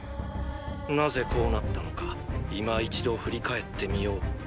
なぜこうなったのかいま一度振り返ってみよう。